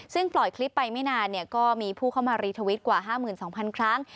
ซึ่งปล่อยคลิปไปไม่นานก็มีผู้เข้ามารีทวิตกว่า๕๒๐๐๐ครั้ง